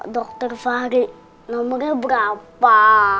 dokter fahri nomornya berapa